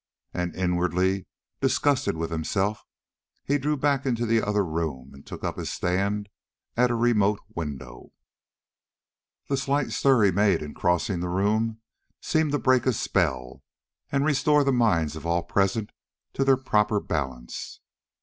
And, inwardly disgusted with himself, he drew back into the other room and took up his stand at a remote window. The slight stir he made in crossing the room seemed to break a spell and restore the minds of all present to their proper balance.